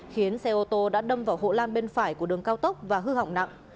khiến xe ô tô đã đâm vào hộ lan bên phải của đường cao tốc và hư hỏng nặng